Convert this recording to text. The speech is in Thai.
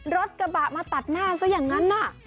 รถกระบะมาตัดหน้าซะอย่างนั้น